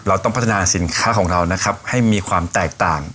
เราต้องพัฒนาสินค้าของเรานะครับให้มีความแตกต่าง